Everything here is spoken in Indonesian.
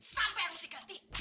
sampean harus diganti